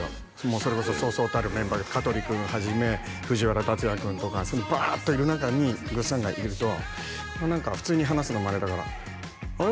それこそそうそうたるメンバーが香取君をはじめ藤原竜也君とかバーッといる中にぐっさんがいると何か普通に話すのもあれだからあれ？